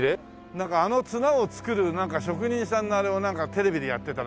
なんかあの綱を作る職人さんのあれをなんかテレビでやってたな。